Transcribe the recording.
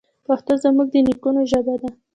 پښتو زموږ د نیکونو ژبه ده.